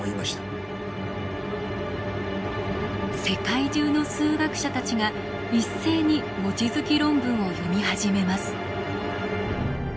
世界中の数学者たちが一斉に望月論文を読み始めます。